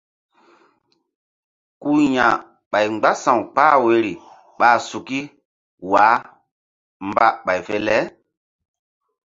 Ku ya̧ ɓay mgbása̧w kpah woyri ɓa suki wah mba ɓay fe le.